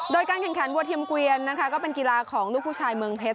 โดยการแข่งขันวัวเทียมเกวียนนะคะก็เป็นกีฬาของลูกผู้ชายเมืองเพชร